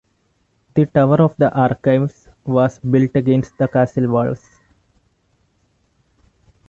The "Tower of the Archives" was built against the castle walls.